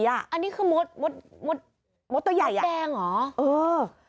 อันนี้คือมดมดตัวใหญ่มดแดงเหรอมดมด